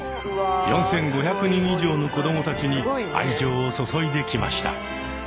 ４，５００人以上の子どもたちに愛情を注いできました。